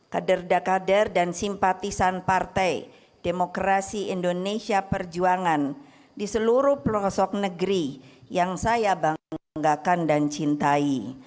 kader dakader dan simpatisan partai demokrasi indonesia perjuangan di seluruh pelosok negeri yang saya banggakan dan cintai